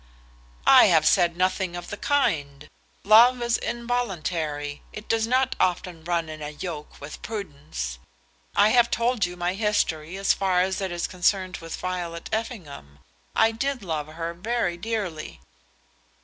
"I have said nothing of the kind. Love is involuntary. It does not often run in a yoke with prudence. I have told you my history as far as it is concerned with Violet Effingham. I did love her very dearly."